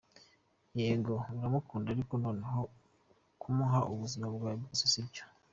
Yego uramukunda ariko nanone kumuha ubuzima bwawe byose sibyo.